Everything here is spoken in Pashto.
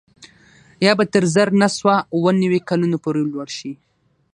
یا به تر زر نه سوه اووه نوي کلونو پورې لوړ شي